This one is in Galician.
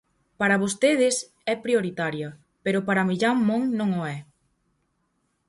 Para vostedes é prioritaria, pero para Millán Mon non o é.